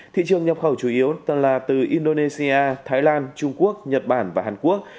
thị trường nhập khẩu chủ yếu là từ indonesia thái lan trung quốc nhật bản và hàn quốc